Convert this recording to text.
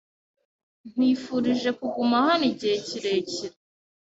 Nkwifurije kuguma hano igihe kirekire.